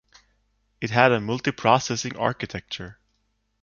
It had a multiprocessing architecture.